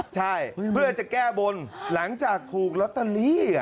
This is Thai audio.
ใช่เพื่อจะแก้บนหลังจากถูกลอตเตอรี่